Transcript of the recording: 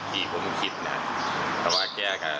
ส่งมาขอความช่วยเหลือจากเพื่อนครับ